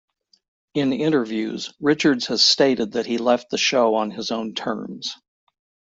In interviews, Richards has stated that he left the show on his own terms.